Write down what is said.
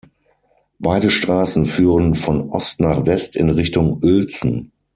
Beide Straßen führen von Ost nach West in Richtung Uelzen.